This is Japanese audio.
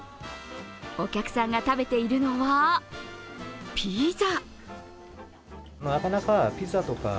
お客さんが食べているのはピザ。